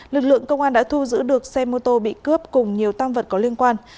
lực lượng công an đã thu giữ được xe mô tô bị cướp cùng nhiều tăng vật có liên quan